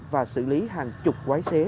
và xử lý hàng chục quái xế